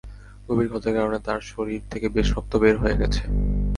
গভীর ক্ষতের কারণে তাঁর শরীর থেকে বেশ রক্ত বের হয়ে গেছে।